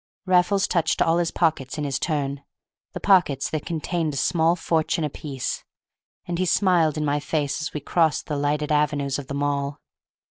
Raffles touched all his pockets in his turn, the pockets that contained a small fortune apiece, and he smiled in my face as we crossed the lighted avenues of the Mall.